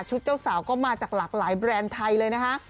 เจ้าสาวก็มาจากหลากหลายแบรนด์ไทยเลยนะคะ